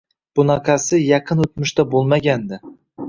Bunaqasi yaqin o‘tmishda bo‘lmagandi